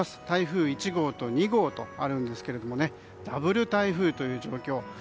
台風１号と２号とあるんですがダブル台風という状況。